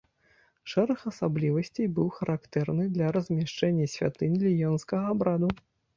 Шэраг асаблівасцей быў характэрны і для размяшчэння святынь ліёнскага абраду.